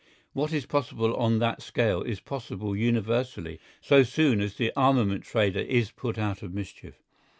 What is possible on that scale is possible universally, so soon as the armament trader is put out of mischief.